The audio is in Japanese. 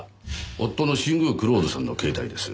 夫の新宮蔵人さんの携帯です。